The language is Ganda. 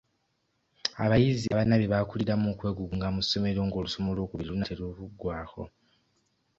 Abayizi abana be baakuliramu okwegugunga mu ssomero ng'olusoma olw'okubiri lunaatera okuggwako.